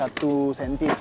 yang di atas setengah cm